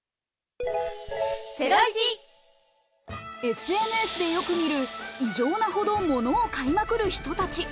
ＳＮＳでよく見る異常なほど物を買いまくる人たち。